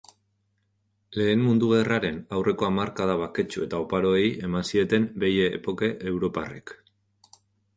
Lehen Mundu Gerraren aurreko hamarkada baketsu eta oparoei eman zieten Belle époque europarrek.